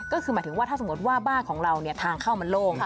ก็คือหมายถึงว่าถ้าสมมติว่าบ้านของเราทางเข้ามันโล่ง